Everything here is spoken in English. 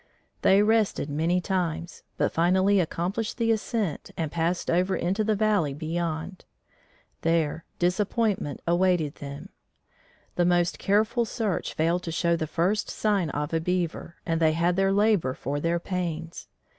They rested many times, but finally accomplished the ascent and passed over into the valley beyond. There, disappointment awaited them. The most careful search failed to show the first sign of a beaver and they had their labor for their pains.